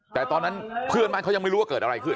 แต่ตอนนั้นเพื่อนบ้านเขายังไม่รู้ว่าเกิดอะไรขึ้น